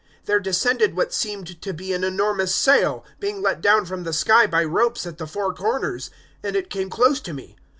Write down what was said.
There descended what seemed to be an enormous sail, being let down from the sky by ropes at the four corners, and it came close to me.